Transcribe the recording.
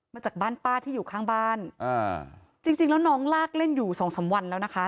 มาจากบ้านป้าที่อยู่ข้างบ้านอ่าจริงจริงแล้วน้องลากเล่นอยู่สองสามวันแล้วนะคะ